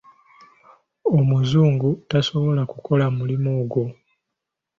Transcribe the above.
Omuzungu tasobola kukola mulimu ogwo.